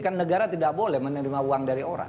kan negara tidak boleh menerima uang dari orang